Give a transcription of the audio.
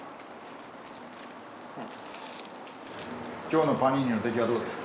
今日のパニーニの出来はどうですか？